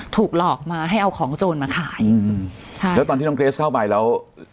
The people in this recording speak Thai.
ถูกหลอกมาให้เอาของโจรมาขายอืมใช่แล้วตอนที่น้องเกรสเข้าไปแล้ว